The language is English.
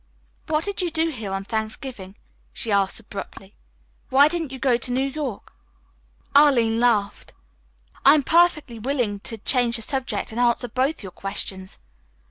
"What did you do here on Thanksgiving?" she asked abruptly. "Why didn't you go to New York?" Arline laughed. "I am perfectly willing to change the subject and answer both your questions.